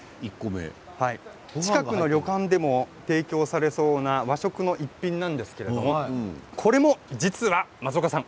近くの旅館でも提供されそうな和食の一品なんですけれどこれも松岡さん